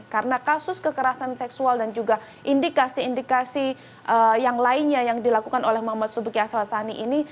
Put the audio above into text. karena kasus kekerasan seksual dan juga indikasi indikasi yang lainnya yang dilakukan oleh muhammad subiki asal sani ini